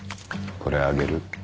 これあげる。